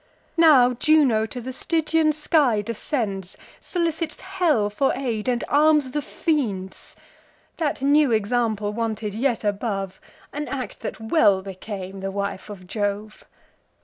Now Juno to the Stygian sky descends, Solicits hell for aid, and arms the fiends. That new example wanted yet above: An act that well became the wife of Jove!